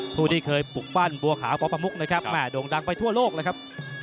ผู้ที่เคยปลูกปั้นบัวขาวปประมุกนะครับแม่โด่งดังไปทั่วโลกเลยครับ